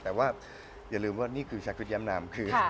แต่ว่าอย่าลืมว่านี่คือแชลควิทยามนาม